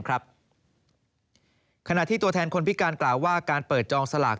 ขณะที่ตัวแทนคนพิการกล่าวว่าการเปิดจองสลาก